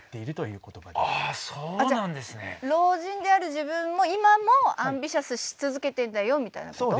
じゃあ老人である自分も今もアンビシャスし続けてんだよみたいなこと？